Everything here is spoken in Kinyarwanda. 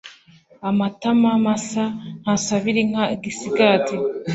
Amatama masa ntasabira inka igisigati